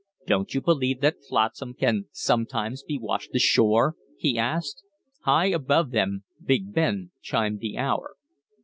"Don't you believe that flotsam can sometimes be washed ashore?" he asked. High above them Big Ben chimed the hour.